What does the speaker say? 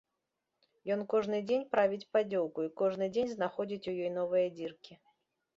Ён кожны дзень правіць паддзёўку і кожны дзень знаходзіць у ёй новыя дзіркі.